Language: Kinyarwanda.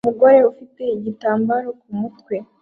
umugore ufite igitambaro ku mutwe